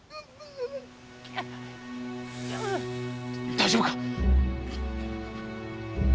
大丈夫か！